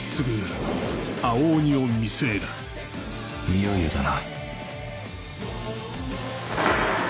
いよいよだな。